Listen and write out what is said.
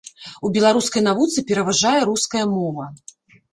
У беларускай навуцы пераважае руская мова.